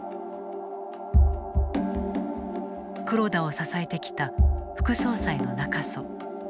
黒田を支えてきた副総裁の中曽。